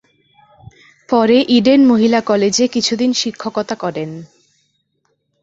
পরে ইডেন মহিলা কলেজে কিছুদিন শিক্ষকতা করেন।